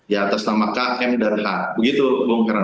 ya atas nama k m dan h begitu bung keren